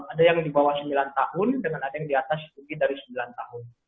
ada yang di bawah sembilan tahun dengan ada yang di atas lebih dari sembilan tahun